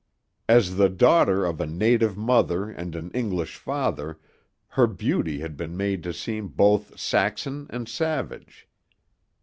As the daughter of a native mother and an English father, her beauty had been made to seem both Saxon and savage.